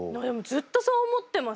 ずっとそう思ってます。